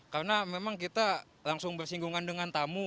karena memang kita langsung bersinggungan dengan tamu